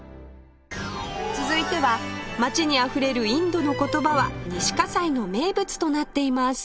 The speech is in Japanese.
続いては街にあふれるインドの言葉は西西の名物となっています